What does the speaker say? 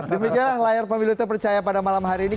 demikianlah layar pemilu terpercaya pada malam hari ini